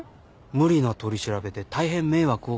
無理な取り調べで大変迷惑をかけたって。